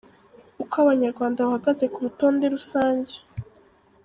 Uko Abanyarwanda bahagaze ku rutonde rusange.